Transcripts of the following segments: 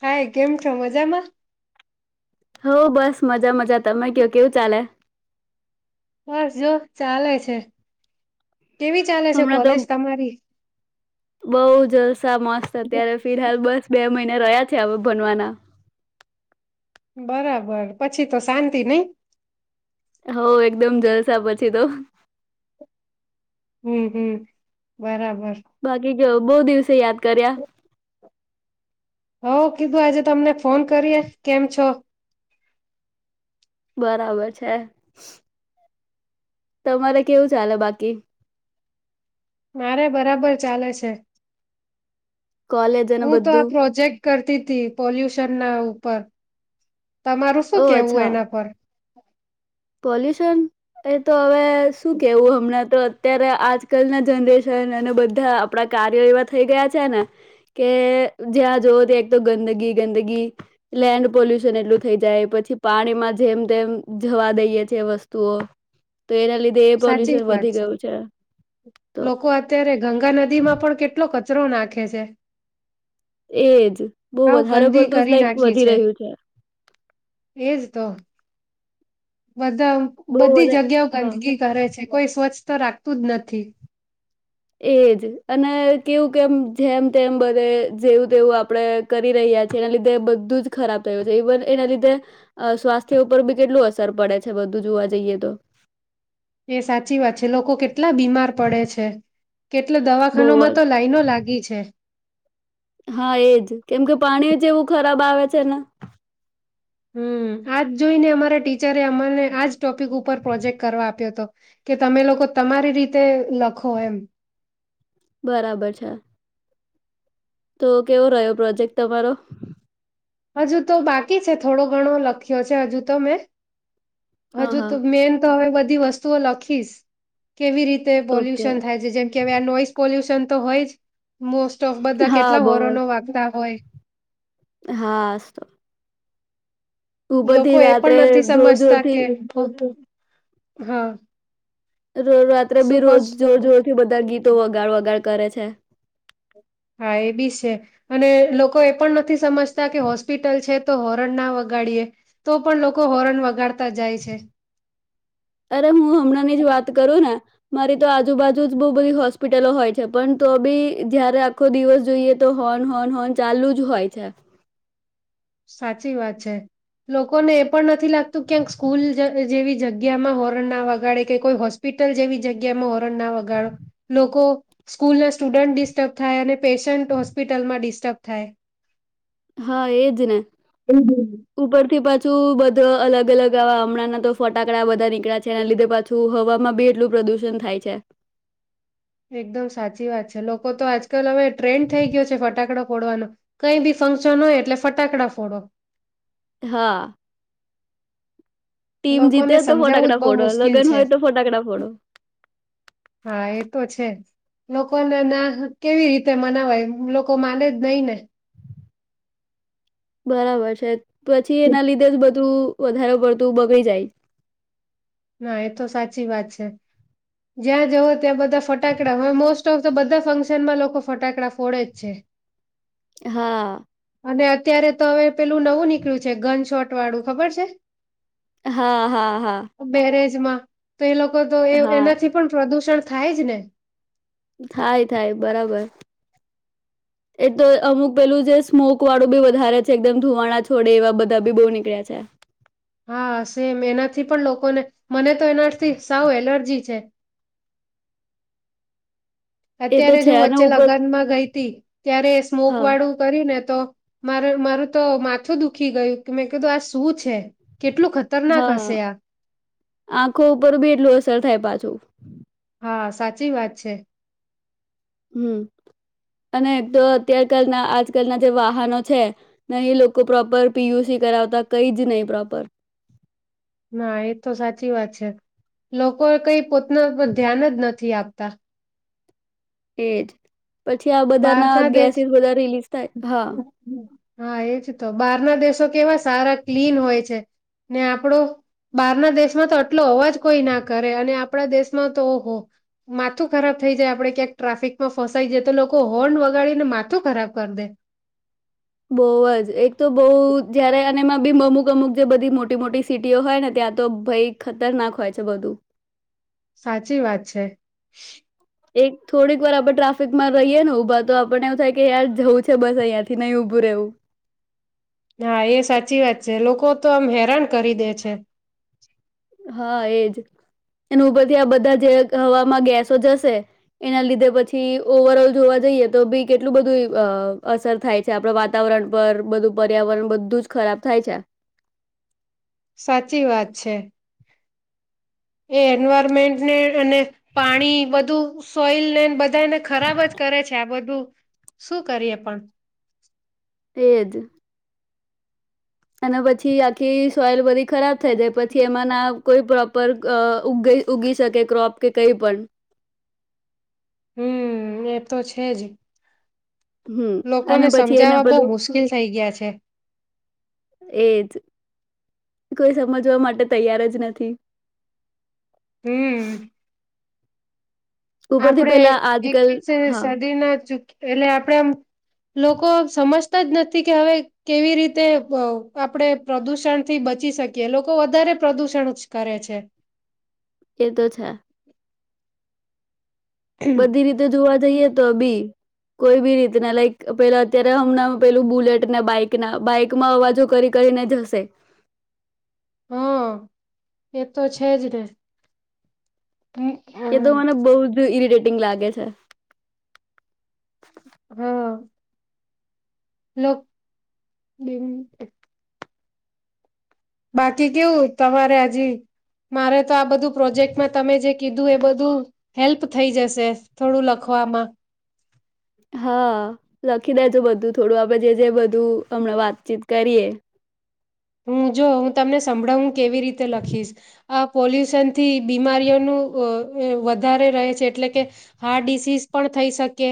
High કેમ છ મજમાં હો બસ મજા મજા તમે કયો કેવું ચાલે? બસ જો ચાલે છે. કેવી ચાલે છે હમણાં તો કોલેજ તમારી બહુ જલસા મસ્ત અત્યારે ફિરહાલ બસ બે રહ્યા છે હવે ભનવાના. બરાબર પછી તો શાંતિ નહિ. હો એકદમ જલસા પછી તો. હમ્મ હમ્મ બરાબર. ભાગી જ બહુ દિવસે યાદ કર્યા? હઉ કીધું આજે તમને ફોન કરીએ કેમ છો? બરાબર છે. તમારે કેવું ચાલે બાકી? મારે બરાબર ચાલે છે. કોલેજ અને હું તો બધું આ પ્રોજેક્ટ કરતી પોલ્યુશન ના ઉપર. તમારું ઓ શું કેવું અચ્છા એના પર? [inaudible] પોલ્યુશન એ તો હવે શું કેવું હમણાં તો અત્યારે આજકાલ ના જનરેશન અને બધા આપડા કાર્યો એવા થઈ ગયા છે ને કે જ્યાં જોવ ત્યાં એક તો ગંદગી ગંદગી લેન્ડ પોલ્યુશન એટલું થઈ જાય પછી પાણીમાં જેમ તેમ જવા દઈ. ઈ છે વસ્તુઓ. લીધે એ પોલ્યુશન સાચી વાત વધી છે ગયું તો લોકો અત્યારે ગંગા નદી માં પણ કેટલો ક કચરો નાખે છે. એજ બહુ આવ વધારે ગંદી પડતું જ કરી લાઈક નાખી વધી રહ્યું છે. એજ તો. બધા બહુ બધી વધારે જગ્યાઓ હા ગંદગી કરે છે કોઈ સ્વચ્છ તો રાખતું જ નથી. એજ અને કેવું કેમ જેમ તેમ બધે જેવું તેવું આપણે કરી રહ્યા છીએ એના લીધે બધું જ ખરાબ થયું છે ઈવન એના લીધે સ્વાસ્થ્ય ઉપર બી કેટલું અસર પડે છે બધું જોવા જઈએ તો. એ સાચી વાત છે લોકો કેટલા બીમાર પડે છે કેટલા બહુ દવાખાનોમાં તો લાઈનો લાગી છે. હા એજ કેમ કે પાણી જેવું ખરાબ આવે છે ને. હમ્મ. આજ જોઈને અમારા ટીચરે અમને આજ ટોપિક ઉપર પ્રોજેક્ટ કરવા આપ્યો હતો કે તમે લોકો તમારી રીતે લખો એમ. બરાબર છે. તો કેવો રહ્યો પ્રોજેક્ટ તમારો? હજુ તો બાકી છે થોડો ઘણો લખ્યો છે હજુ તો મેં. હા હજુ હા તો મેન તો હવે બધ બધી વસ્તુઓ લખીશ. કેવી રીતે ઓકે પોલ્યુશન થાય છે જેમ કે હવે આ નોઈસ પોલ્યુશન ન તો હોય જ. મોસ્ટ ઓફ બધા હા કેટલા હોરનો વાગતા હોય. હાશ તો. લોકો એ પણ નથી જોર સમજતા જોરથી કે બ બ હા. રાત્રે શું બી કો રોજ જોર જોર થી બધા ગીત તો વગાડ વગાડ કરે છે. હા એ બી છે અને લોકો એ પણ નથી સમજતા કે હોસ્પિટલ છે તો હોરન ના વગાડીએ તો પણ લોકો હોરન વગાડતા જાય છે. અરે હું હમણાં ની જ વાત કરું ને. મારી તો આજુબાજુ જ બહુ બધી હોસ્પિટલો હોય છે પણ તો બી જયારે આખો દિવસ જોઈએ તો હોન હોન હોન ચાલુ જ હોય છે. સાચી વાત છે લોકોને એ પણ નથી લાગતું ક્યાંક સ્કૂલ જેવી જગ્યામાં હોરણ ના વગાડે કે કોઈ હોસ્પિટલ જેવી જગ્યામાં હોરણ ના વગાડો લોકો સ્કૂલના સ્ટુડન્ટ ડિસ્ટર્બ થાય અને પેશન્ટ હોસ્પિટલમાં ડિસ્ટર્બ થાય. હા એજ ને. ઉપરથી [inaudible] પાછું બધુ અલગ અલગ આવા હમણાંના તો ફટાકડા બધા નીકળ્યા છે એના લીધે પાછું હવા માં બી એટલું પ્રદુષણ થાય છે. એકદમ સાચી વાત છે લોકો તો આજ કલ હવે ટ્રેન્ડ થઈ ગયો છે ફટાકડો. ફોડવાનું કઈ બી ફંક્શન હોય એટલે ફટાકડા ફોડો. હા ટીમ જીતે લોકોને તો સમજાવવું જ ફટાકડા બહ ફોડો મુશ્કેલ લગ્ન છે હોય તો ફટાકડા ફોડો હા એ તો છે. લોકોને ના કેવી રીતે મનાવાય લોકો માને જ નહી ને. બરાબર છે. પછી એના લીધે જ બધ વધારે પડતું બગડી જાય. ના એ તો સાચી વાત છે જ્યાં જવો ત્યાં બધા ફટાકડા હવે મોસ્ટ ઓફ ધ બધા ફંક્શનમાં લોકો ફટાકડા ફોડે જ છે. હા અને અત્યારે તો હવે પેલું નવું નીકળ્યું છે ગન શોટ. ટ વાડું ખબર છે. હા હા હા બેરેજમાં તો એ લોકો તો એ હા એનાથી પણ પ્રદુષણ શિક્ષણ થાય જ ને. થાય થાય બરાબર એ તો અમુક પેલું જે સ્મોક વાળું બી વધારે છે એકદમ ધુવાણા છોડે એવા બધા બી બહુ નીકળ્યા છે. હા સેમ એનાથી પણ લોકોને મને તો એનાથી સાવ એલર્જી છે. એ તો અત્યારે જ છે હું અને વચ્ચે ઉપર લગનમાં ગઈ હતી ત્યારે સ્મોક હા વાળું કરી ને તો માર મારું તો માથું દુખી ગયું કે મેં કીધું આ શું છે. કેટલું ખતરનાક હા, હશે આ આંખો ઉપર બી એટલું અસર થાય પાછું. હા સાચી વાત છે. હમ, અને તો અત્યાર કલના આજકાલના જે વાહનો છે, નહી લોકો પ્રોપર પીયુસી કરાવતા કઈ જ નહીં પ્રોપર. હા એ તો સાચી વાત છે, લોકો કઈ પોતાના પર ધ્યાન જ નથી આપતા. એ જ. પછી આ બધા ના બહારના દેશ ગેસીસ બધા રિલીઝ હા. હા એજ તો બહાર ના દેશો કેવા સારા ક્લીન હોય છે, ને આપડો બહાર ના દેશમાં તો આટલો અવાજ કોઈ ના કરે અને આપડા દેશમાં તો માથું ખરાબ થઈ જાય આપડે ક્યાંક ટ્રાફિકમાં ફસાઈ જાય તો લોકો હોર્ન વગાડી ને માથું ખરાબ કર દે. બહ જ એક તો બહ જયારે બી અમુક અમુક જે બધી મોટી મોટી સિટીઓ હોય ને ત્યાં તો ભાઈ ખતરનાક હોય છે બધું. સાચી વાત છે. એક થોડીક વાર આપડણે ટ્રાફિકમાં રહીએે ને ઊભા તો આપણને એવું થાય કે યાર જવું છે બસ અહિયાં થી નહી ઉભું રહેવું. હા એ સાચી વાત છે લોકો તો આમ હેરાન કરી દે છે. હા એજ, અને ઉપરથી આ બધા જે હવામાં ગેસો જશે, એના લીધે પછી ઓવરઓલ જોવા જઈએ તો બી કેટલું બધું અસર થાય છે આપડ વાતાવરણ પર બધું પર્યાવરણ બધું જ ખરાબ થાય છે. સાચી વાત છે. એ એન્વાયરમેન્ટ ને અને પાણી બધું સોઈલ ને બધા એને ખરાબ જ કરે છે આ બધું. શું કરીએ પણ એ જ અને પછી આખી સોયલ બધી ખરાબ થઈ જાય પછી એમાંના કોઈ પર ઉ ઉગી શકે ક્રોપ કે કઈ પણ હમ એ તો છે જ હમ અને લોકોને પછી એને સમજાવવા બહુ પેલું મુશ્કેલ થઈ ગયા છે. એજ કોઈ સમજવા માટે તૈયાર જ નથી હમ ઉપરથી આપણે પેલા આજકાલ એકવી હા શદી ના ચ એટલે આપડે આમ લોકો સમજતા જ નથી કે હવે કેવી રીતે આપણેે પ્રદુષણથી બચી શકીએ લોકો વધારે પ્રદુષણ જ કરે છે. એ તો છ બધી રીતે જોવા જઈએ તો બી કોઈ બી રીતના લાઈક પેલા અત્યારે હમણાં પેલું બુલેટ ને બાઈક ના બાઈકમાં અવાજો કરી કરીને જશે હા એ તો છેજ ને હમ એ તો મને બહુ જ ઈરિટેટિંગ લાગે છે. અ હા. લોક બ બાકી કેવું તમારે હજી મારે તો આ બધું પ્રોજેક્ટમાં તમે જે કીધું એ બધું હેલ્પ થઈ જશે થોડું લખવામાં હા લખી દેજો બધું થોડું આપડે જે જે બધું હમણાં વાતચીત કરીએ હું જો હું તમને સંભળાવું કેવી રીતે લખીશ આ પોલ્યુશન થી બીમારીઓનું વધારે રહે છે એટલે કે હાર્ટ ડિસીઝ પણ થઈ શકે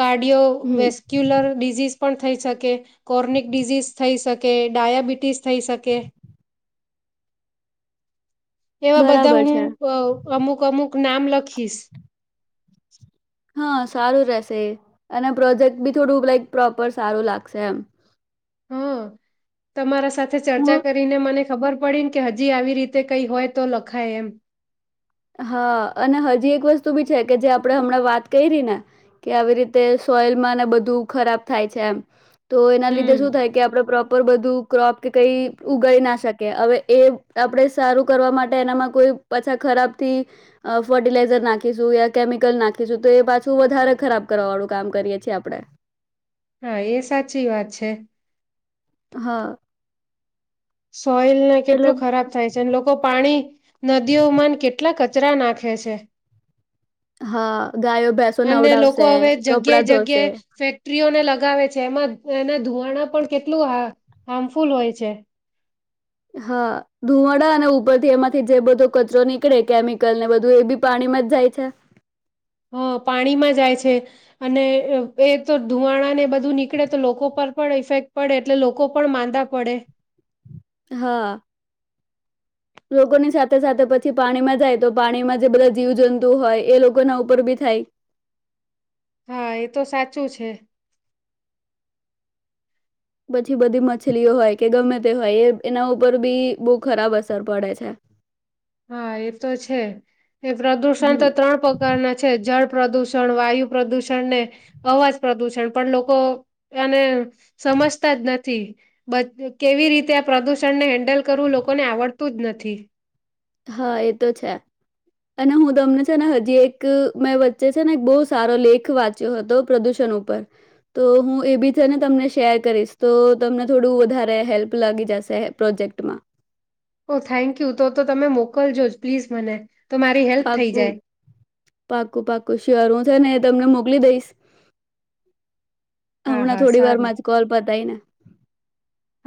કાર્ડિયો હમ વેસ્ક્યુલર ડિઝીઝ પણ થઈ શકે કોર્નિક ડિઝઝ થઈ શકે ડાયાબિટીસ થઈ શકે એવા બધા બરાબર હું છે અમુક અમુક તક નામ લખીશ હા સારું રહેશે અને પ્રોજેક્ટ બી થોડું લાઈક પ્રોપર સારું લાગશે એમ હા તમારા સાથે હું ચર્ચા કરીને મને ખબર પડીને કે હજી આવી રીતે કઈ હોય તો લખાય એમ હા અને હજી એક વસ્તુ વસ્ત બી છે કે જે આપણે હમણાં વાત ક રી ને કે આવી રીતે સોઈલ માં ને બધું ખરાબ થાય છે એમ તો એના લીધે હમ શું થાય કે આપડે પ્રોપર બધું ક્રોપ કે કઈ ઉગાડી ના શકે કે હવે એ આપડ સારું કરવા માટે એનામાં કોઈ પાછા ખરાબ થી ફર્ટિલાઈઝર નાખીશું કેમિકલ નાખીશું તો એ પાછું વધારે ખરાબ કરવા વાળું કામ કરીએ છીએ આપણે હા એ સાચી વાત છે. હા. સોઈલને એટલે કેટલું ખરાબ થાય છે અને લોકો પાણી નદીઓમાંન કેટલા કચરા નાખે છે. હા, ગાયો ભેંસો અને લોકો નવડાવશે, હવે જગ્યાએ કપડાં ધોશે. જગ્યાએ ફેક્ટરીઓને લગાવે છે એમાં. એના ધુવાણા પણ કેટલું હ હાર્મફુલ હોય છે. હા ધુવાડા અને ઉપરથી એમાંથી જે બધો કચરો નીકળે કેમિકલ ને બધું એ બી પાણીમાં જ જાય છે. હ પાણીમાં જાય છે અને એ તો ધુવાણાને બધું નીકળે તો લોકો પર પણ ઈફેક્ટ પડે એટલે લોકો પણ માંદા પડે. હા. લોકોની સાથે સાથે પછી પાણીમાં જાય તો પાણીમાં જે બધા જીવ જંતુ હોય એ લોકોના ઉપર બી થાય. હા એ તો સાચું છે. પછી બધી મછલીઓ હોય કે ગમે તે હોય એ એના ઉપર બી બહુ ખરાબ અસર પડે છે. હા એ તો છે એ પ્રદુષણ તો હમ ત્રણ પ્રકારના છે જળ પ્રદૂષણ વાયુ પ્રદૂષણ ને અવાજ પ્રદુષણ પણ લોકો આને સમજતા જ નથી કેવી રીતે આ પ્રદુષણ ને હેન્ડલ કરવું લોકોને આવડતું જ નથી. હા એ તો છે અને હું તમને છે ને હજી એક મેં વચ્ચે છે ને એક બહુ સારો લેખ વાંચ્યો હતો પ્રદુષણ ઉપર તો હું એ બી છે ને તમને શેર કરીશ તો તમને થોડું વધારે હેલ્પ લાગી જશે પ્રોજેક્ટમાં. ઓ થેન્ક યુ તો તો તમે મોકલજો જ પ્લીઝ મને. તો મારી હેલ્પ થઈ પાકું જાય. પાકું પાકું શર હું છે ને એ તમને મોકલી દઈશ. હા હમણાં હા થોડી વાર સારું માં જ કોલ પતાય ને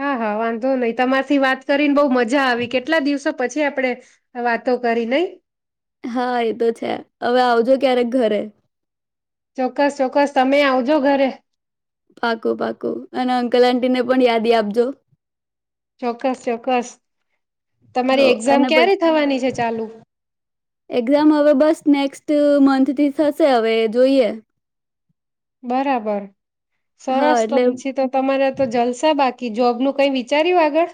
હા હા વાંધો નઈ તમારથી વાત કરીને બહ મજા આવી કેટલા દિવસો પછી આપણેે વાતો કરી નઈ. હા એતો છે હવે આવજો ક્યારેક ઘરે. ચોક્કસ ચોક્કસ તમે આવજો ઘરે. પાકું પાકું અને અંકલ આટીને પણ યાદી આપજો. ચોક્કસ ચોક્કસ, હો તમારી એક્ઝામ અને પ ક્યારે થવાની છે ચાલુ? મંથ થી થશે હવે જોઈએ. બરાબર. હા સરસ તો એટલે પછી તો તમારે તો જલસા બાગ કે જોબ નું કઈ વિચાર્યું આગળ?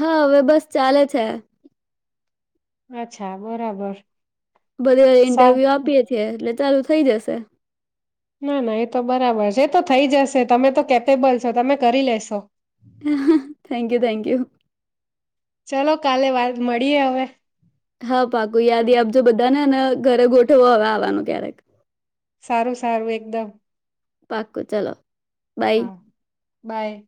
હા હવે બસ ચાલે છે. અચ્છા બરાબર. બધી ઇન્ટરવ્યુ સારું આપીએ છીએ એટલે ચાલુ થઈ જશે. ના ના એ તો બરાબર છે એ તો થઈ જશે તમે તો કેપેબલ છો તમે કરી લેશો. હ થેન્ક યુ થેન્ક યુ. ચલો કાલે વાત મળીએ હવે. હા પાકુ યાદી આપજ બધા નેને. ઘરે ગોઠવો હવે આવાનું ક્યારેક. સારું સારું એકદમ. પાક્ક ચાલો. બાય. હા બાય.